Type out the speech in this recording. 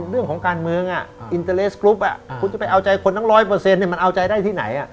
เลือกธนธรรมเลือกปีเจมส์บุรกิจ